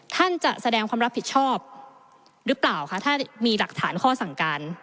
ท่านจะแสดงความรับผิดชอบหรือเปล่าคะถ้ามีหลักฐานข้อสั่งการ